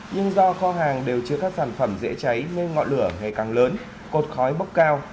nhưng do kho hàng đều chứa các sản phẩm dễ cháy nên ngọn lửa ngày càng lớn cột khói bốc cao